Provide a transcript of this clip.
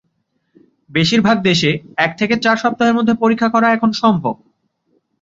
বেশিরভাগ দেশে এক থেকে চার সপ্তাহের মধ্যে পরীক্ষা করা এখন সম্ভব।